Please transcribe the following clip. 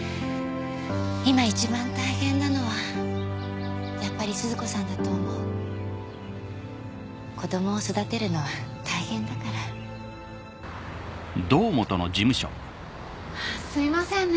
今一番大変なのはやっぱり鈴子さんだと思う子どもを育てるのは大変だからすいませんね